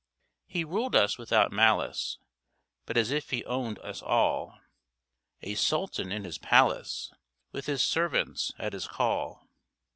He ruled us without malice, But as if he owned us all, A sultan in his palace With his servants at his call.